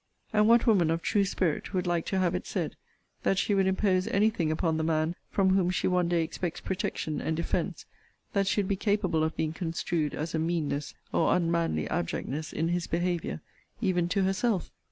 And what woman of true spirit would like to have it said, that she would impose any thing upon the man from whom she one day expects protection and defence, that should be capable of being construed as a meanness, or unmanly abjectness in his behaviour, even to herself?